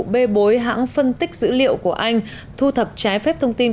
bê bối hãng phân tích dữ liệu của anh thu thập trái phép thông tin